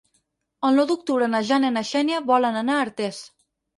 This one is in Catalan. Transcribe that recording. El nou d'octubre na Jana i na Xènia volen anar a Artés.